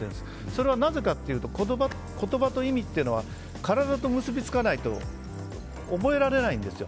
それはなぜかというと言葉と意味というのは体と結びつかないと覚えられないんですよ。